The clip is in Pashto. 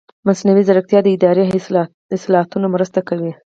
مصنوعي ځیرکتیا د اداري اصلاحاتو مرسته کوي.